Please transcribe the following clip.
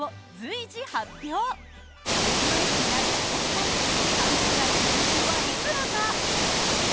浮世絵師になった北斎３０代の年収はいくらか？